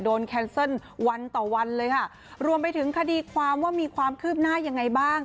แคนเซิลวันต่อวันเลยค่ะรวมไปถึงคดีความว่ามีความคืบหน้ายังไงบ้าง